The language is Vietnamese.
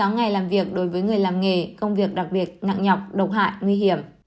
một mươi ngày làm việc đối với người làm nghề công việc đặc biệt nặng nhọc độc hại nguy hiểm